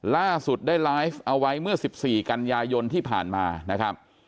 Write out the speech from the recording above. ล่าสุดได้ไลฟ์เอาไว้เมื่อ๑๔กันยายนที่ผ่านมานะครับ